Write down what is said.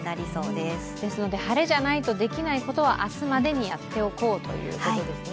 ですので晴れじゃないとできないことは明日までにやっておこうということですね。